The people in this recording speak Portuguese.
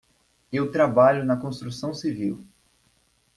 Eu trabalho na construção civil.